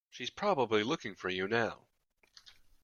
She's probably looking for you now.